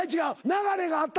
流れがあって。